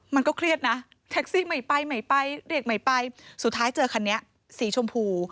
มันก็เครียดนะแท็กซี่ไม่ไปไม่ไปเรียกไม่ไปสุดท้ายเจอคันนี้สีชมพู